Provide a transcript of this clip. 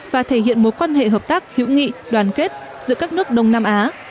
và thể hiện mối quan hệ hợp tác hữu nghị đoàn kết giữa các nước đông nam á